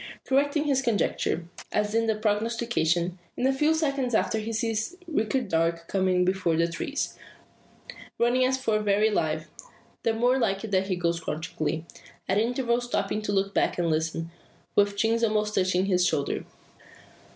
Correct in his conjecture, as in the prognostication, in a few seconds after he sees Richard Darke coming between the trees; running as for very life the more like it that he goes crouchingly; at intervals stopping to look back and listen, with chin almost touching his shoulder!